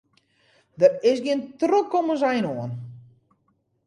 Der is gjin trochkommensein oan.